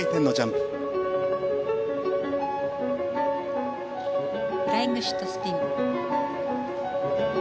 フライングシットスピン。